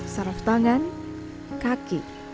saraf tangan kaki